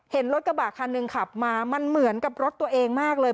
เห็นรถกระบะคันหนึ่งขับมามันเหมือนกับรถตัวเองมากเลย